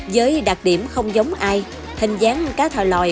với đặc điểm không giống ai hình dáng cá thòi lòi